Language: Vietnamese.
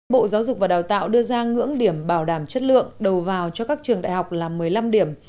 bộ giáo dục và đào tạo đưa ra ngưỡng điểm bảo đảm chất lượng đầu vào cho các trường đại học là một mươi năm điểm